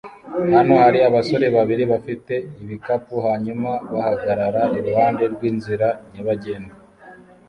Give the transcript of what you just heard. Hano hari abasore babiri bafite ibikapu hanyuma bahagarara iruhande rw'inzira nyabagendwa